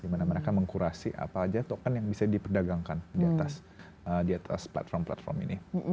dimana mereka mengkurasi apa saja token yang bisa diperdagangkan diatas platform platform ini